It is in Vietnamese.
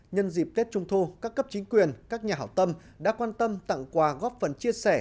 nhân dịp tết trung thu các cấp chính quyền các nhà hảo tâm đã quan tâm tặng quà góp phần chia sẻ